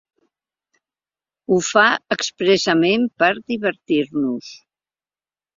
Ho fa expressament per divertir-nos.